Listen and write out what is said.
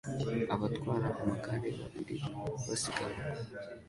Abatwara amagare babiri basiganwa